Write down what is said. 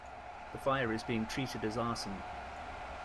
The fire is being treated as arson.